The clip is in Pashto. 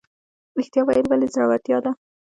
ریښتیا ویل ولې زړورتیا ده؟